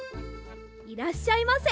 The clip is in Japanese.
いらっしゃいませ。